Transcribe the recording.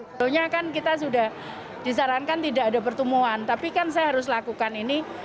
sebenarnya kan kita sudah disarankan tidak ada pertemuan tapi kan saya harus lakukan ini